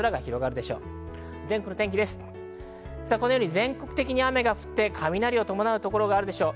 全国的に雨が降って、雷を伴う所があるでしょう。